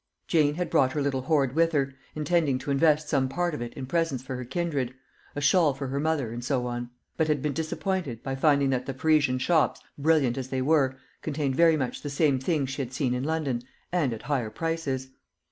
Jane had brought her little hoard with her, intending to invest some part of it in presents for her kindred a shawl for her mother, and so on; but had been disappointed, by finding that the Parisian shops, brilliant as they were, contained very much the same things she had seen in London, and at higher prices.